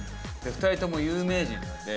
２人とも有名人なんで。